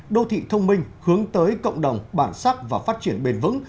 đô thị thông minh hướng tới cộng đồng bản sắc và phát triển bền vững